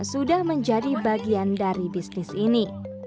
sudah menjadi bagian dari bisnis ini